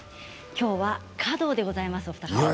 今日は華道でございます。